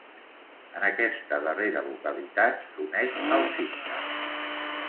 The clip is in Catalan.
En aquesta darrera localitat, s'uneix al Cinca.